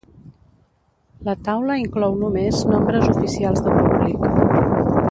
La taula inclou només nombres oficials de públic.